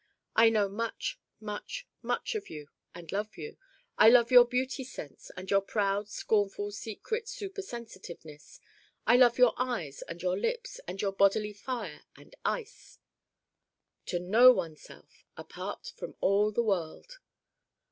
I know much, much, much of you and love you! I love your beauty sense and your proud scornful secret super sensitiveness. I love your Eyes and your Lips and your bodily Fire and Ice' to know oneself: apart from all the world!